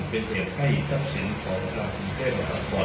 เป็นเหตุให้ทรัพย์เชียร์จอบถานหลวงคุณเทพหานคร